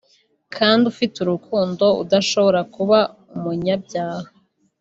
kandi ufite urukundo udashobora kuba umunyabyaha